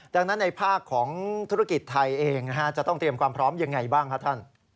ดังนั้นในภาคของธุรกิจไทยเองจะต้องเตรียมความพร้อมยังไงบ้างครับท่าน